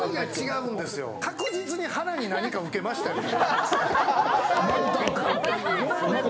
確実に腹に何か受けましたよね。